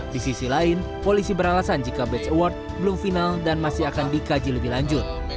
di sisi lain polisi beralasan jika batch award belum final dan masih akan dikaji lebih lanjut